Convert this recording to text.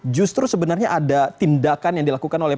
justru sebenarnya ada tindakan yang dilakukan oleh